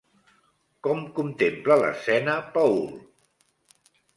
Com contempla l'escena Paul?